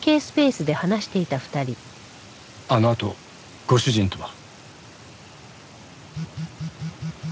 あのあとご主人とは？